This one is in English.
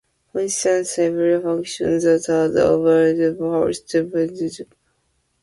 For instance, every function that has bounded first derivatives is Lipschitz.